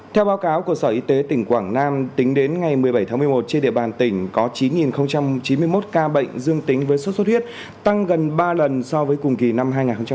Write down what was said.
theo báo cáo của sở y tế tỉnh quảng nam tính đến ngày một mươi bảy tháng một mươi một trên địa bàn tỉnh có chín chín mươi một ca bệnh dương tính với sốt xuất huyết tăng gần ba lần so với cùng kỳ năm hai nghìn hai mươi ba